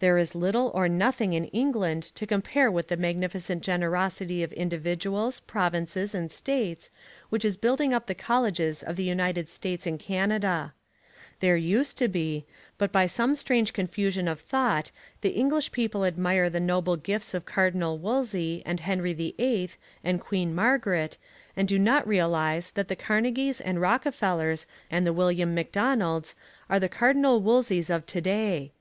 There is little or nothing in England to compare with the magnificent generosity of individuals, provinces and states, which is building up the colleges of the United States and Canada. There used to be. But by some strange confusion of thought the English people admire the noble gifts of Cardinal Wolsey and Henry VIII and Queen Margaret, and do not realise that the Carnegies and Rockefellers and the William Macdonalds are the Cardinal Wolseys of to day.